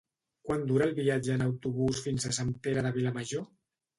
Quant dura el viatge en autobús fins a Sant Pere de Vilamajor?